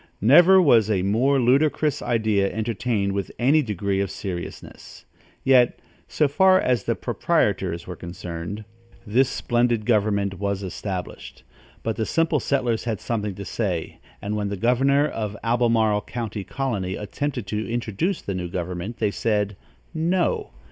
Never was a more ludicrous idea entertained with any degree of seriousness; yet, so far as the proprietors were concerned, this splendid government was established; but the simple settlers had something to say; and when the governor of the Albemarle county colony attempted to introduce the new government, they said, "No."